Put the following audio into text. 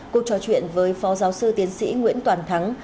cuộc trò chuyện với phó giáo sư tiến sĩ nguyễn toàn thắng